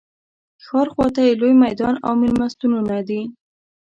ښار خواته یې لوی میدان او مېلمستونونه دي.